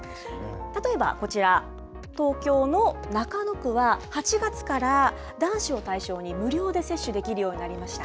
例えばこちら、東京の中野区は、８月から男子を対象に無料で接種できるようになりました。